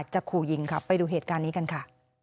จะขู่ยิงค่ะไปดูเหตุการณ์นี้กันค่ะ